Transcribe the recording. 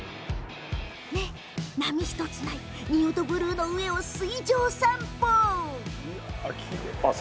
波１つない仁淀ブルーの上を水上散歩。